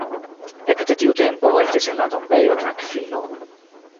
Ekde tiu tempo estis en la tombejo trankvilo.